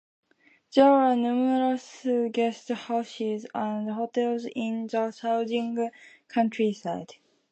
There are numerous guest houses and hotels in the surrounding countryside.